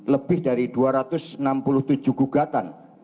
lebih dari dua ratus enam puluh tujuh gugatan